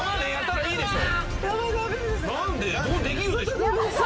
できるでしょ。